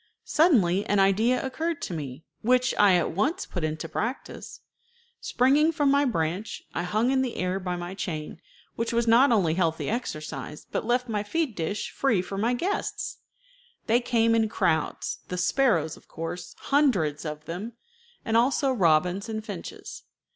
Suddenly an idea occurred to me, which I at once put in practice. Springing from my branch, I hung in the air by my chain, which was not only healthy exercise, but left my feed dish free for my guests. They came in crowds, the sparrows of course, hundreds of them, and also robins and finches.